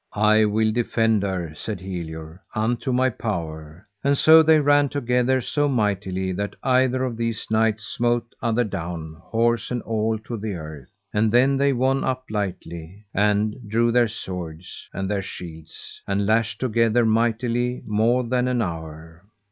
I will defend her, said Helior, unto my power. And so they ran together so mightily that either of these knights smote other down, horse and all, to the earth; and then they won up lightly and drew their swords and their shields, and lashed together mightily more than an hour.